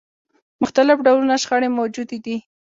مختلف ډوله شخړې موجودې دي.